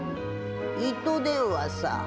糸電話さ。